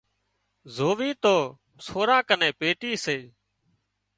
زووي تو سوران ڪنين پيٽي سي